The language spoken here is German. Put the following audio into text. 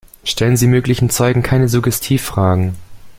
Stellen Sie möglichen Zeugen keine Suggestivfragen.